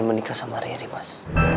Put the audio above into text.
aku mau menikah sama riri mas